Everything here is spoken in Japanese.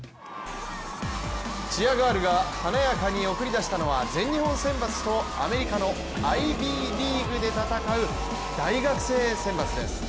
チアガールが華やかに送り出したのは全日本選抜と、アメリカのアイビーリーグで戦う大学生選抜です。